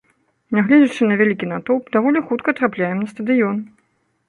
Нягледзячы на вялікі натоўп, даволі хутка трапляем на стадыён.